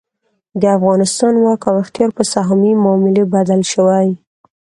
د افغانستان واک او اختیار په سهامي معاملې بدل شوی.